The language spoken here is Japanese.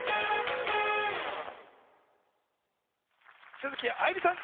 鈴木愛理さん